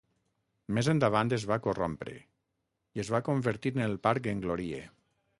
Més endavant es va corrompre i es va convertir en el parc Englorie.